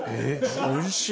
おいしい！